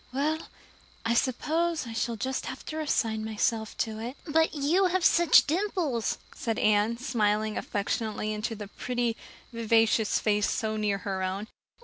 Well, I suppose I shall just have to resign myself to it." "But you have such dimples," said Anne, smiling affectionately into the pretty, vivacious face so near her own.